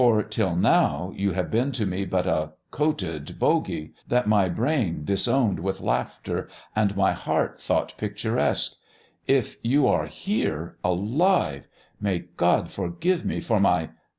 till now ... you have been to me but a ... coated bogy ... that my brain disowned with laughter ... and my heart thought picturesque. If you are here ... alive! May God forgive me for my